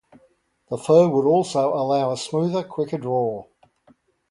The fur would also allow a smoother, quicker draw.